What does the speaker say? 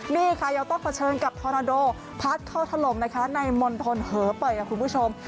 นี่ค่ะยังต้องเผชิญกับทอนาโดพัดเข้าถล่มนะคะในมณฑลเหอเปยค่ะคุณผู้ชม